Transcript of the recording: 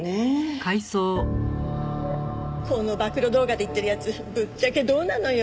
この暴露動画で言ってるやつぶっちゃけどうなのよ？